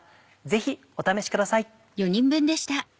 ぜひお試しください。